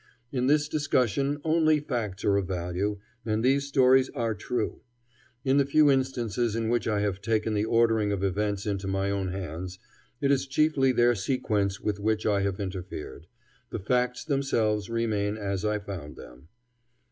In this discussion only facts are of value, and these stories are true. In the few instances in which I have taken the ordering of events into my own hands, it is chiefly their sequence with which I have interfered. The facts themselves remain as I found them.